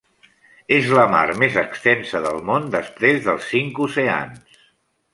És la mar més extensa del món després dels cinc oceans.